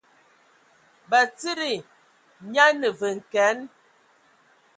Batsidi nya a ne vǝ n kǝan.